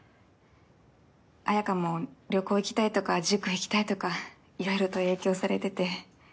彩香も旅行行きたいとか塾行きたいとかいろいろと影響されてて。